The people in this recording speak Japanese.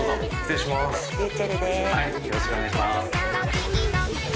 よろしくお願いします。